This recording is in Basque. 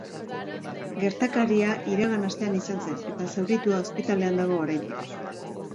Gertakaria iragan astean izan zen eta zauritua ospitalean dago oraindik.